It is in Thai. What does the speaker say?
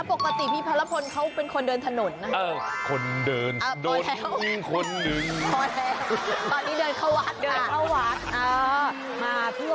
ปกติพี่พระรพลเขาเป็นคนเดินถนนนะครับ